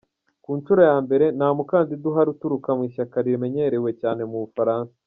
Ku nshuro ya mbere, nta mukandida uhari uturuka mu ishyaka rimenyerewe cyane mu Bufaransa.